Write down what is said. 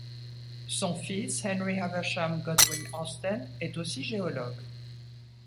Son fils Henry Haversham Godwin-Austen est aussi géologue.